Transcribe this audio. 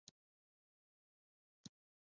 مصنوعي ځیرکتیا د کلتوري تعامل بڼه بدلوي.